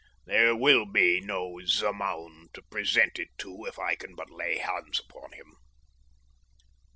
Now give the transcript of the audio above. There will be no Zemaun to present it to if I can but lay hands upon him.